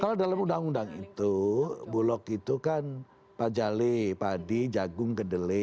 kalau dalam undang undang itu bulog itu kan pajali padi jagung gedele